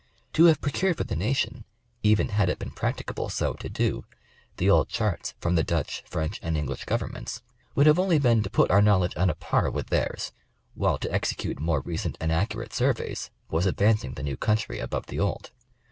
To have procured for the nation (even had it been practicable so to do) the old charts from the Dutch, French, and English govei'n ments, would have only been to put our knowledge on a par with theirs, while to execute more recent and accurate surveys, was advancing the new country above the old.